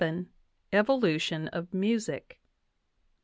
4, 5). INVOLUTION OF MUSIC.